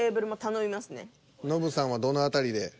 ノブさんはどの辺りで。